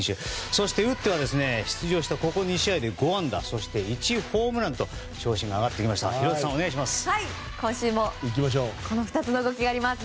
そして打っては出場したここ２試合で５安打そして１ホームランと今週もこの２つの動きがあります。